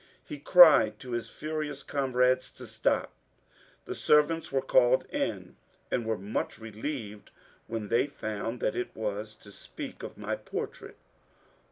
He cried to his furious comrades to stop. The servants were called in, and were much relieved when they found that it was to speak of my portrait.